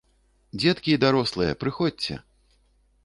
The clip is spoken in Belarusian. Дзеткі і дарослыя, прыходзьце!